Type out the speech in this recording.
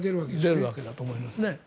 出るわけだと思います。